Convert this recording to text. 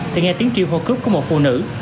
thì nghe tiếng chi hô cướp của một phụ nữ